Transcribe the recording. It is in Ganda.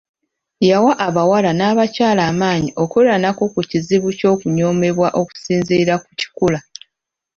Yawa abawala n'abakyala amaanyi okwerwanako ku kizibu ky'okunyoomebwa okusinziira ku kikula.